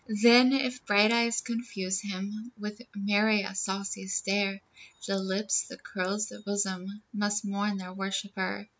Then, if bright eyes confuse him With many a saucy stare, The lips, the curls, the bosom Must mourn their worshipper.